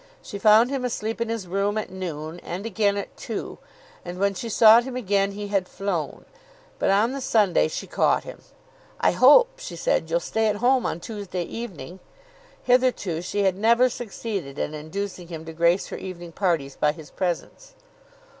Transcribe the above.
She found him asleep in his room at noon and again at two; and when she sought him again he had flown. But on the Sunday she caught him. "I hope," she said, "you'll stay at home on Tuesday evening." Hitherto she had never succeeded in inducing him to grace her evening parties by his presence.